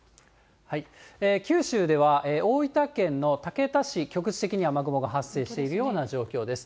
九州では大分県の竹田市、局地的に雨雲が発生しているような状況です。